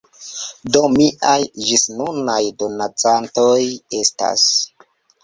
Do, miaj ĝisnunaj donacantoj estas